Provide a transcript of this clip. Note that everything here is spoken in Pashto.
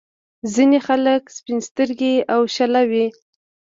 ځينې خلک سپين سترګي او شله وي.